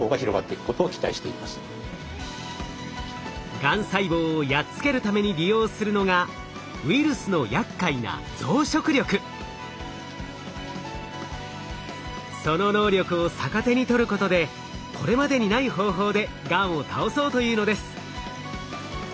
がん細胞をやっつけるために利用するのがウイルスのやっかいなその能力を逆手に取ることでこれまでにない方法でがんを倒そうというのです。